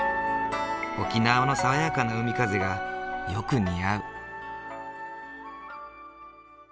沖縄の爽やかな海風がよく似合う。